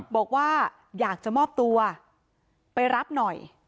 บอกว่าอยากจะมอบตัวไปรับหน่อย